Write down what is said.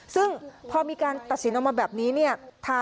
ซึ่งพอมีการตัดสินออกมาแบบนี้เนี่ย